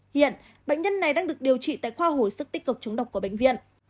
hiện bệnh nhân này đang được điều trị tại khoa hồi sức tích cực chống độc của bệnh viện